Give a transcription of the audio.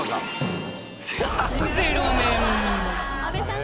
阿部さん